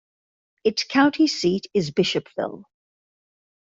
Its county seat is Bishopville.